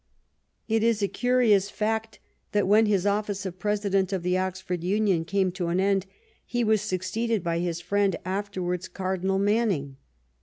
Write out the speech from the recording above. It is a curious fact that when his office of Presi dent of the Oxford Union came to an end he was succeeded by his friend, afterwards Cardinal Manning.